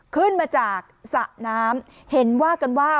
ขึ้นมาจากสระน้ำเห็นว่ากันว่า